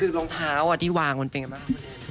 คือหลองเท้าที่วางมันเป็นอย่างไรบ้าง